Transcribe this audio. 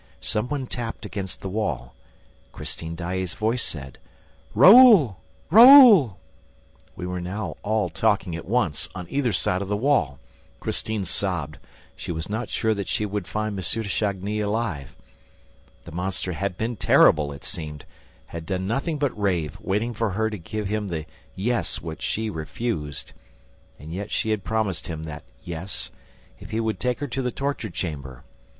Some one tapped against the wall. Christine Daae's voice said: "Raoul! Raoul!" We were now all talking at once, on either side of the wall. Christine sobbed; she was not sure that she would find M. de Chagny alive. The monster had been terrible, it seemed, had done nothing but rave, waiting for her to give him the "yes" which she refused. And yet she had promised him that "yes," if he would take her to the torture chamber.